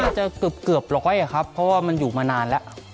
เกือบร้อยอะครับเพราะว่ามันอยู่มานานแล้ว